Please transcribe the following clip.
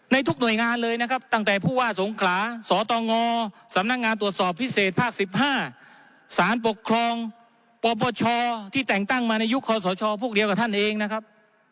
ทุกหน่วยงานเลยนะครับตั้งแต่ผู้ว่าสงขลาสตงสำนักงานตรวจสอบพิเศษภาค๑๕สารปกครองปปชที่แต่งตั้งมาในยุคคอสชพวกเดียวกับท่านเองนะครับ